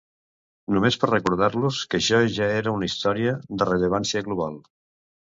Només per recordar-los que això ja era una història de rellevància global.